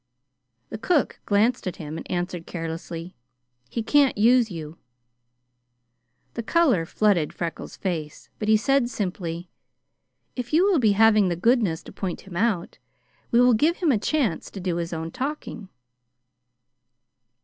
The cook glanced at him and answered carelessly: "He can't use you." The color flooded Freckles' face, but he said simply: "If you will be having the goodness to point him out, we will give him a chance to do his own talking."